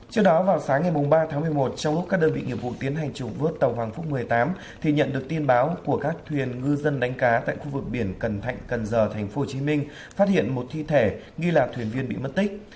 trước đó vào sáng ngày ba tháng một mươi một trong lúc các đơn vị nghiệp vụ tiến hành trục vớt tàu hoàng phúc một mươi tám thì nhận được tin báo của các thuyền ngư dân đánh cá tại khu vực biển cần thạnh cần giờ tp hcm phát hiện một thi thể nghi là thuyền viên bị mất tích